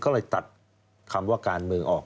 ก็เลยตัดคำว่าการเมืองออก